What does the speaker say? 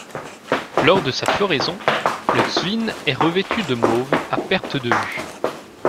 Lors de sa floraison, le Zwin est revêtu de mauve, à perte de vue.